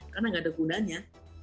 karena nggak ada gunanya